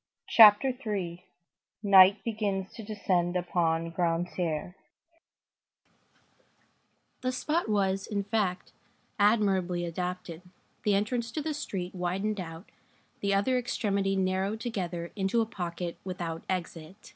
CHAPTER III—NIGHT BEGINS TO DESCEND UPON GRANTAIRE The spot was, in fact, admirably adapted, the entrance to the street widened out, the other extremity narrowed together into a pocket without exit.